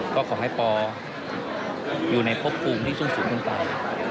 ก็ขอให้พ่ออยู่ในภพภูมิที่สุ่มขึ้นไปนะครับ